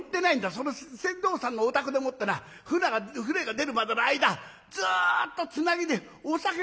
その船頭さんのお宅でもってな舟が出るまでの間ずっとつなぎでお酒飲んで待ってたんだ。